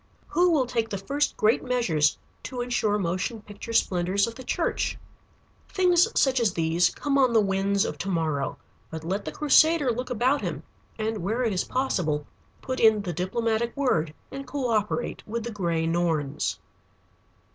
Who will take the first great measures to insure motion picture splendors in the church? Things such as these come on the winds of to morrow. But let the crusader look about him, and where it is possible, put in the diplomatic word, and coöperate with the Gray Norns.